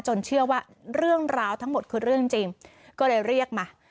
เชื่อว่าเรื่องราวทั้งหมดคือเรื่องจริงก็เลยเรียกมา